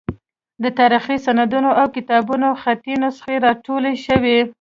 د تاریخي سندونو او کتابونو خطي نسخې راټولې شوې.